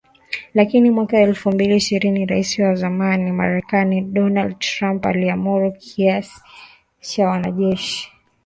Lakini mwaka elfu mbili ishirini Rais wa zamani Marekani ,Donald Trump, aliamuru kiasi cha wanajeshi mia saba hamsini wa Marekani nchini Somalia kuondoka